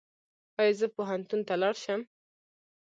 ایا زه پوهنتون ته لاړ شم؟